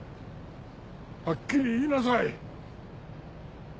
はっきり言いなさい！